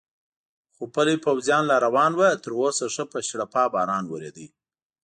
خو پلی پوځیان لا روان و، تراوسه ښه په شړپا باران ورېده.